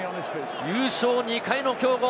優勝２回の強豪。